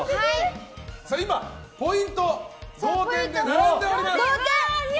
今、ポイントは同点で並んでおります。